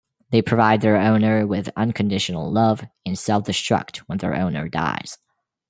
They provide their owner with unconditional love and self-destruct when their owner dies.